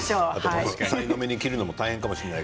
さいの目に切るのも大変かもしれない。